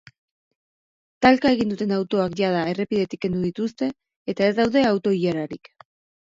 Talka egin duten autoak jada errepidetik kendu dituzte eta ez daude auto-ilararik.